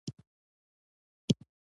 سړی په یقین سره ویلای شي.